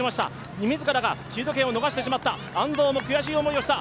自らがシード権を逃してしまった、安藤も悔しい思いをした。